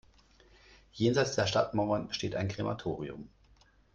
Jenseits der Stadtmauern steht ein Krematorium.